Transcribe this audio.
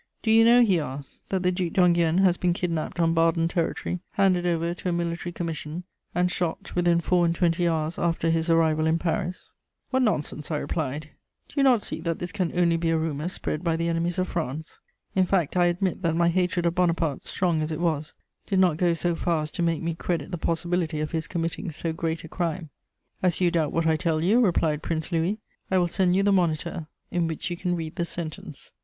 "'Do you know,' he asked, 'that the Duc d'Enghien has been kidnapped on Baden territory, handed over to a military commission, and shot within four and twenty hours after his arrival in Paris?' "'What nonsense!' I replied. 'Do you not see that this can only be a rumour spread by the enemies of France?' "In fact, I admit that my hatred of Bonaparte, strong as it was, did not go so far as to make me credit the possibility of his committing so great a crime. "'As you doubt what I tell you,' replied Prince Louis, 'I will send you the Moniteur, in which you can read the sentence.'